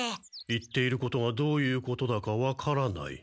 言っていることがどういうことだかわからない。